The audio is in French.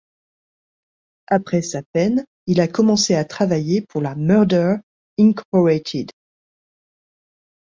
Après sa peine, il a commencé à travailler pour la Murder Incorporated.